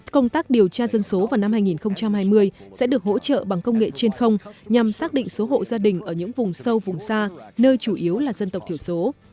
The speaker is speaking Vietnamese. công tác điều tra dân số vào năm hai nghìn hai mươi sẽ được hỗ trợ bằng công nghệ trên không nhằm xác định số hộ gia đình ở những vùng sâu vùng xa nơi chủ yếu là dân tộc thiểu số